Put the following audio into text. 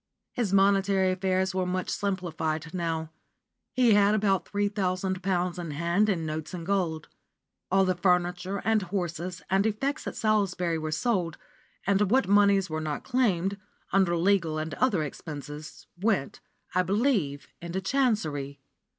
His monetary affairs were much simplified now: he had about three thousand pounds in hand in notes and gold. All the furniture, and horses, and effects at Salisbury were sold, and what moneys were not claimed, under legal and other expenses, went, I believe, into Chancery.